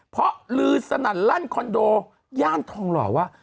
เพราะลือสนั่นลั่นคอนโดย่านทองหล่อว่า